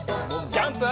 ジャンプ！